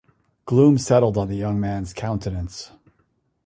Gloom settled on the young man's countenance.